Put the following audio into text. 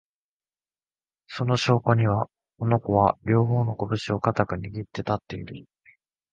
その証拠には、この子は、両方のこぶしを固く握って立っている